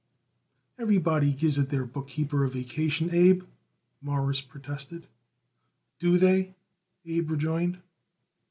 "Everybody gives it their bookkeeper a vacation, Abe," Morris protested. "Do they?" Abe rejoined.